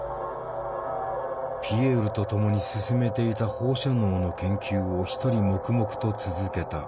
ピエールと共に進めていた放射能の研究を一人黙々と続けた。